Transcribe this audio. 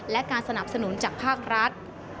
และการสนับสนุนจากภาครัฐ